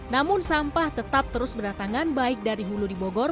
namun sampah tetap terus berdatangan baik dari hulu di bogor